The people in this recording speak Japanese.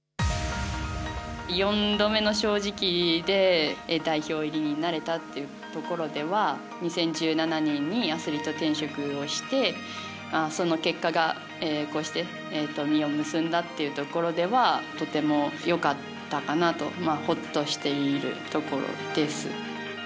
４度目の正直で代表入りになれたということでは２０１７年にアスリートに転職してその結果が、こうして実を結んだというところではとてもよかったかなとほっとしているところです。